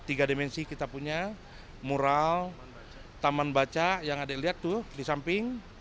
tiga dimensi kita punya mural taman baca yang adik lihat tuh di samping